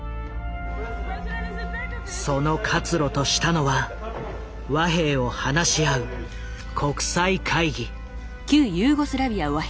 その活路としたのは和平を話し合う国際会議。